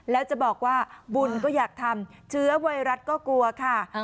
แล้วจะบอกว่าบุญก็อยากทำเชื้อไวรัสก็กลัวค่ะ